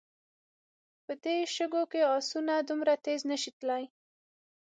په دې شګو کې آسونه دومره تېز نه شي تلای.